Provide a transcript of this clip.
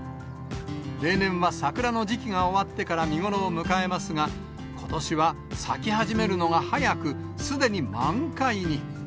例年は桜の時期が終わってから見頃を迎えますが、ことしは咲き始めるのが早く、すでに満開に。